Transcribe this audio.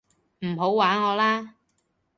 唔好玩我啦